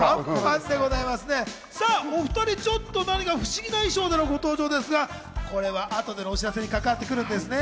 お２人、ちょっと何か不思議な衣装でのご登場ですが、あとでのお知らせに関わってくるんですね。